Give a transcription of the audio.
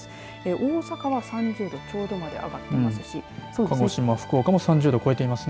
大阪は３０度ちょうどまで上がっていますし鹿児島、福岡も３０度を超えてます。